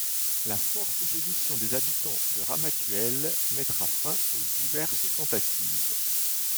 La forte opposition des habitants de Ramatuelle mettra fin aux diverses tentatives.